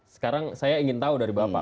sekarang saya ingin tahu dari bapak